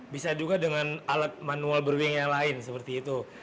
bisa juga dengan alat manual brewing yang lain seperti itu